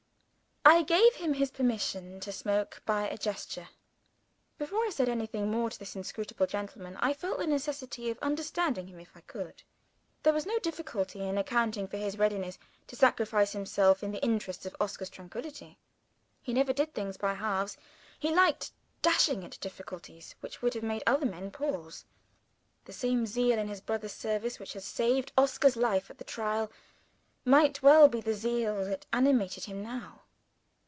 I gave him his permission to smoke by a gesture. Before I said anything more to this inscrutable gentleman, I felt the necessity of understanding him if I could. There was no difficulty in accounting for his readiness to sacrifice himself in the interests of Oscar's tranquillity. He never did things by halves he liked dashing at difficulties which would have made other men pause. The same zeal in his brother's service which had saved Oscar's life at the Trial, might well be the zeal that animated him now.